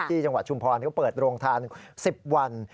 จังหวัดชุมพรเขาเปิดโรงทาน๑๐วัน